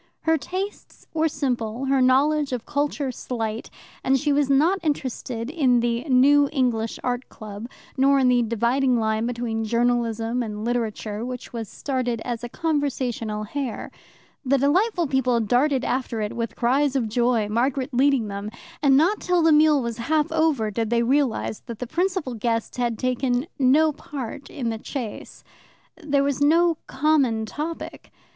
Her tastes were simple, her knowledge of culture slight, and she was not interested in the New English Art Club, nor in the dividing line between Journalism and Literature, which was started as a conversational hare. The delightful people darted after it with cries of joy, Margaret leading them, and not till the meal was half over did they realize that the principal guest had taken no part in the chase. There was no common topic.